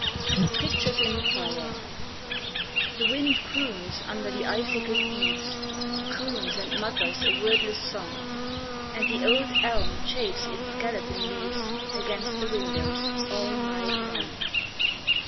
PICTURES IN THE FIRE The wind croons under the icicled eaves Croons and mutters a wordless song, And the old elm chafes its skeleton leaves Against the windows all night long.